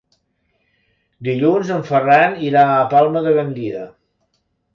Dilluns en Ferran irà a Palma de Gandia.